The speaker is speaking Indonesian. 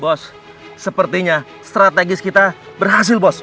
bos sepertinya strategis kita berhasil bos